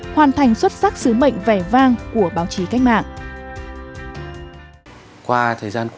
hoàn thành xuất sắc sứ mệnh vẻ vang của báo chí cách mạng